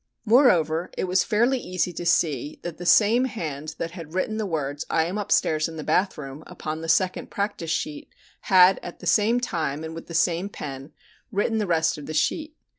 Moreover, it was fairly easy to see that the same hand that had written the words "I am upstairs in the bath room" upon the second practice sheet had at the same time and with the same pen written the rest of the sheet.